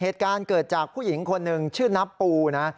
เหตุการณ์เกิดจากผู้หญิงคนหนึ่งชื่อนับปูนะ